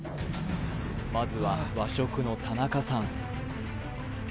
まずは和食の田中さん